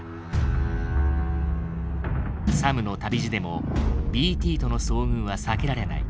サムの旅路でもＢＴとの遭遇は避けられない。